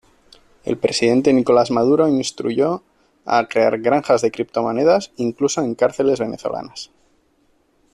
El presidente Nicolás Maduro instruyó a crear "granjas de criptomonedas", incluso en cárceles venezolanas.